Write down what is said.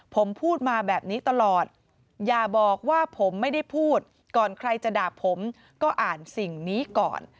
ผมพูดมาแบบนี้ตลอดอย่าบอกว่าผมไม่ได้พูดก่อนใครจะด่าผมก็อ่านสิ่งนี้ก่อน